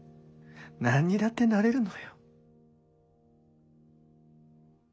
何にだってなれるのよ」。